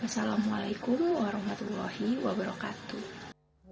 wassalamualaikum warahmatullahi wabarakatuh